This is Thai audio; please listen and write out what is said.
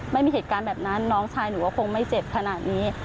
ไม่มีเหตุการณ์แบบนั้นน้องชายหนูก็คงไม่เจ็บขนาดนี้